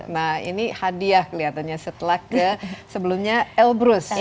nah ini hadiah kelihatannya setelah ke sebelumnya elbrus